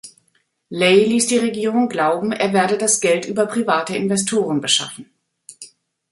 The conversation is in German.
Lay ließ die Regierung glauben, er werde das Geld über private Investoren beschaffen.